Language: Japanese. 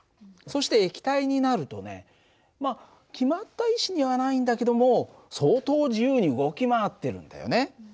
そして液体になるとねまあ決まった位置にはないんだけども相当自由に動き回ってるんだよね。